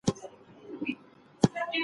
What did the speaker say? پردیو لمني ته ورپوري وهي او په تاریخ کي د دې